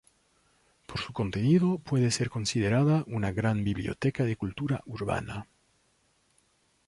Por su contenido, puede ser considerada una gran biblioteca de cultura urbana.